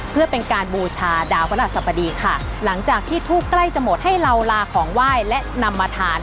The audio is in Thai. เพื่อเป็นการบูชาดาวพระราชสัปดีค่ะหลังจากที่ทูบใกล้จะหมดให้เราลาของไหว้และนำมาทาน